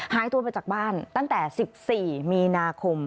หายตัวไปจากบ้านตั้งแต่๑๔มีนาคม